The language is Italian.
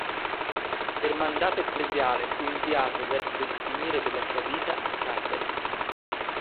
Per mandato ecclesiale fu inviato verso il finire della sua vita a Cagliari.